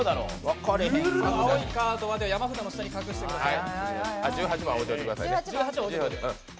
青いカードは山札の下に隠してください。